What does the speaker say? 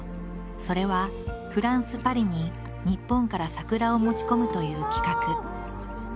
それはフランス・パリに日本から桜を持ち込むという企画。